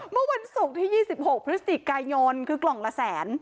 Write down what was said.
เมื่อวันศุกร์ที่๒๖พฤศจิกายนคือกล่องละแสน